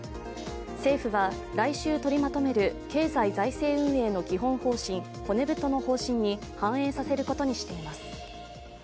政府は来週取りまとめる経済財政運営の起訴方針、骨太の方針に反映させることにしています。